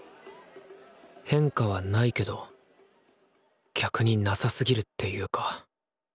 「変化」はないけど逆になさすぎるっていうか。